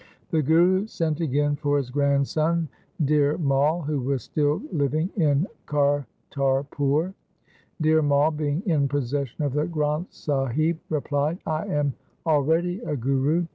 The Guru sent again for his grandson Dhir Mai, who was still living in Kartarpur. Dhir Mai being in possession of the Granth Sahib replied, ' I am already a guru.